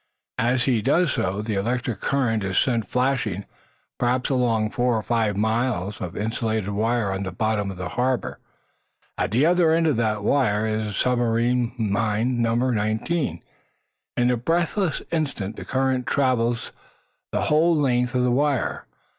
As he does so the electric current is sent flashing, perhaps along four or five miles of insulated wire on the bottom of the harbor. At the other end of that wire is submarine mine number nineteen. In a breathless instant the current traverses the whole length of the wire.